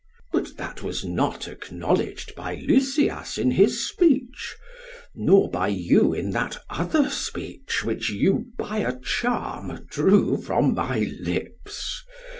SOCRATES: But that was not acknowledged by Lysias in his speech, nor by you in that other speech which you by a charm drew from my lips.